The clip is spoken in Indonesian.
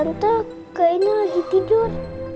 kayaknya lagi tidur